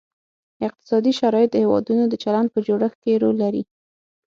اقتصادي شرایط د هیوادونو د چلند په جوړښت کې رول لري